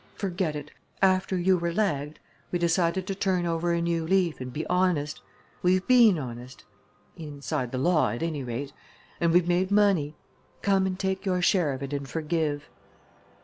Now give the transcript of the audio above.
Forget it! After you were lagged we decided to turn over a new leaf and be honest. We've been honest inside the law, at any rate and we've made money. Come and take your share of it and forgive!"